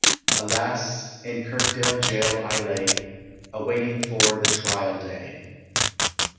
Alas in Kirkdale Gaol I lay, A waiting for the trial day.